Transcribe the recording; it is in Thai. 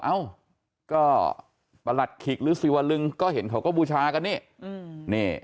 เอ้าก็ประหลัดขิกหรือสิวลึงก็เห็นเขาก็บูชากันนี่